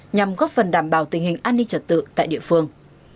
nhằm góp phần đảm bảo tình hình an ninh trật tự tại địa phương